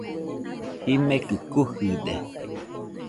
Jimekɨ kujɨde.